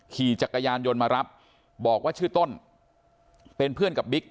ขี่จักรยานยนต์มารับบอกว่าชื่อต้นเป็นเพื่อนกับบิ๊ก